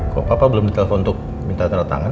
kalau papa belum di telfon untuk minta tanda tangan